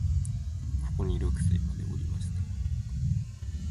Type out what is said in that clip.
ここに六歳までおりましたが、